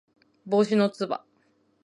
帽子のつば